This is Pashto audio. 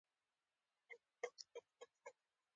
ښایست له صداقت سره تړاو لري